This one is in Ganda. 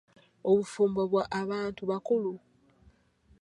Obufumbo bwa abantu bakulu.